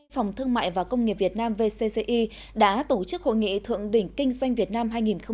phòng thương mại và công nghiệp việt nam vcci đã tổ chức hội nghị thượng đỉnh kinh doanh việt nam hai nghìn một mươi chín